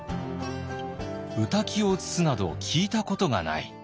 「御嶽を移すなど聞いたことがない」。